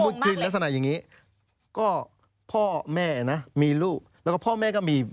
นี่อย่างนี้โกงมากเลย